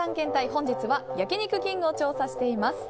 本日は焼肉きんぐを調査しています。